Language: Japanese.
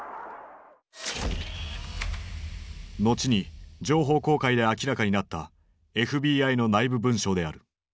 後に情報公開で明らかになったＦＢＩの内部文書である。